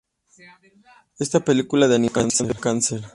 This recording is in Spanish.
Esta película de animación da cáncer